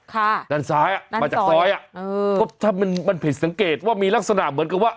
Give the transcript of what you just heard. ค่ะด้านซ้ายอ่ะมาจากซอยอ่ะเออก็ถ้ามันมันผิดสังเกตว่ามีลักษณะเหมือนกับว่า